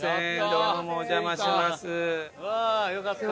どうもお邪魔します。